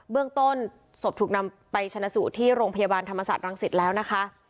เรื่องต้นศพถูกนำไปชนะสูตรที่โรงพยาบาลธรรมศาสตร์รังสิตแล้วนะคะ